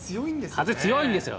風、強いんですよ。